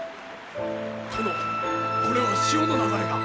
殿これは潮の流れが。